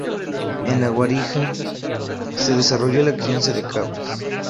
En la Guajira se desarrolla la crianza de cabras.